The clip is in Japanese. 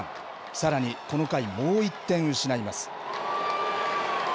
さらにこの回、もう１点失います。